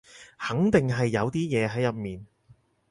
肯定係有啲嘢喺入面